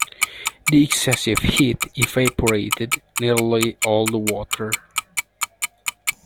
The excessive heat evaporated nearly all the water.